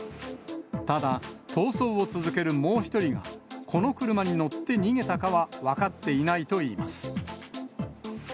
ただ、逃走を続けるもう１人が、この車に乗って逃げたかは分かっていないといいます。